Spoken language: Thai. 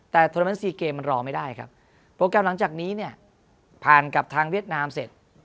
แต่โทรเมนต์ซีเกมมันรอไม่ได้ครับโปรแกรมหลังจากนี้เนี่ยผ่านกับทางเวียดนามเสร็จ